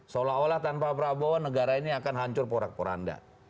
seolah olah tanpa prabowo negara ini akan hancur porak poranda